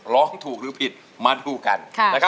ร้องถูกหรือผิดมาดูกัน